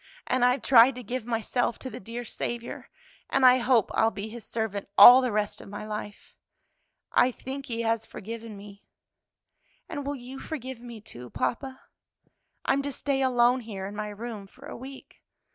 And I've tried to give myself to the dear Saviour, and I hope I'll be His servant all the rest of my life. "I think He has forgiven me, and will you forgive me, too, papa? I'm to stay alone here in my room for a week.